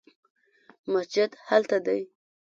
مسجد هلته دی